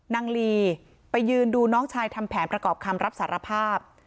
ลีไปยืนดูน้องชายทำแผนประกอบคำรับสารภาพ